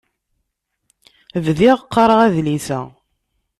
Bdiɣ qqareɣ adlis-a.